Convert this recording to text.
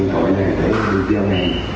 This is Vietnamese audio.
mua sinh hàng